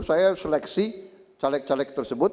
saya seleksi caleg caleg tersebut